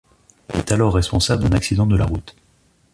Il est alors responsable d'un accident de la route.